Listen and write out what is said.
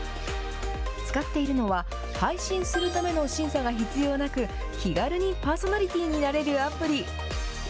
使っているのは、配信するための審査が必要なく、気軽にパーソナリティーになれるアプリ。